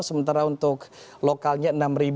sementara untuk lokalnya enam enam ratus empat puluh tujuh